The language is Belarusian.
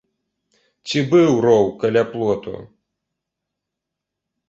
Ці быў роў каля плоту?